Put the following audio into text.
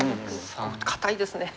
堅いですね。